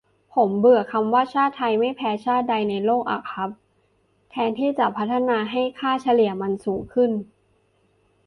ผมเบื่อคำว่าชาติไทยไม่แพ้ชาติใดในโลกอ่ะครับ แทนที่จะพัฒนาให้ค่าเฉลี่ยมันสูงขึ้น